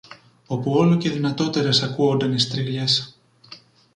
όπου όλο και δυνατότερες ακούουνταν οι στριγλιές.